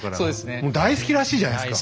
もう大好きらしいじゃないですか。